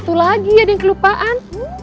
satu lagi ada yang kelupaan